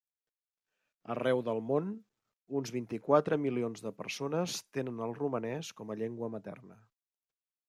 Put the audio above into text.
Arreu del món, uns vint-i-quatre milions de persones tenen el romanès com a llengua materna.